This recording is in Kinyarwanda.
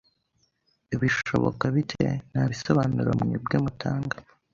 Bishoboka bite?nta bisobanuro mwebwe mutanga